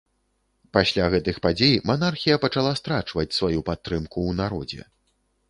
Пасля гэтых падзей, манархія пачала страчваць сваю падтрымку ў народзе.